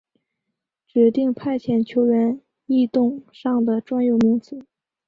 指定派遣球员异动上的专有名词。